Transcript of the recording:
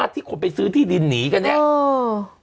ที่คนไปซื้อที่ดินหนีกันเนี่ย